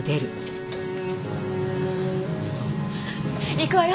行くわよ。